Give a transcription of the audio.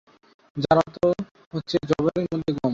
যার অর্থ হচ্ছে যবের মধ্যে গম।